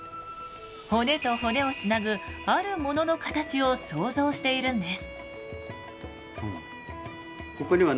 骨と骨をつなぐ「あるもの」の形を想像しているんです。